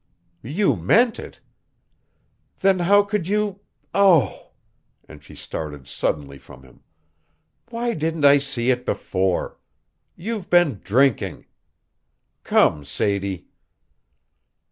"You meant it! Then how could you oh," and she started suddenly from him, "why didn't I see it before? You've been drinking. Come, Sadie."